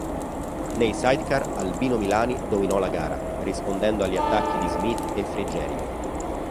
Nei sidecar Albino Milani dominò la gara, rispondendo agli attacchi di Smith e Frigerio.